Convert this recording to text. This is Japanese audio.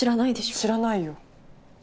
知らないよ。